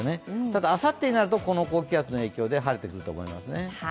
ただ、あさってになるとこの高気圧の影響で晴れてくると思います。